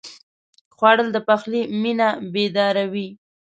خوړل د پخلي مېنه بیداروي